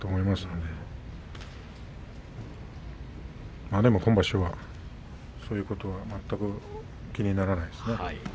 でも、今場所はそういうことは全く気にならないですね。